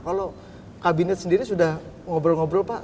kalau kabinet sendiri sudah ngobrol ngobrol pak